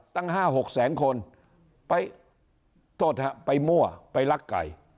ตั้ง๕๖แสนคนไปโทษฮะไปมั่วไปลักไก่